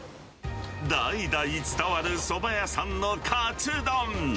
代々伝わるそば屋さんのかつ丼。